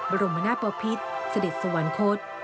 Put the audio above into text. บรมนาศปภิษเสด็จสวรรคต